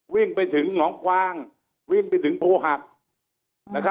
วิ่งไปถึงหนองกวางวิ่งไปถึงโพหัก